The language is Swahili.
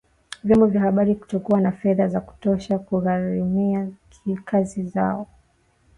vyombo vya habari kutokuwa na fedha za kutosha kugharimia kazi zao